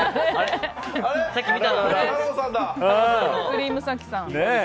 クリーム早紀さん。